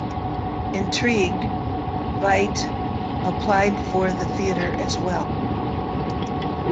Intrigued, Veidt applied for the theatre as well.